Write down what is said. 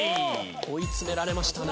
追い詰められましたね。